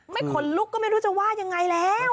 ขนลุกก็ไม่รู้จะว่ายังไงแล้ว